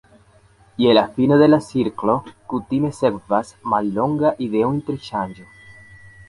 Je la fino de la cirklo kutime sekvas mallonga ideo-interŝanĝo.